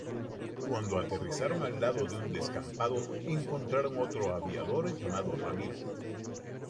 Cuando aterrizaron al lado de un descampado encontraron otro aviador llamado Ramiro.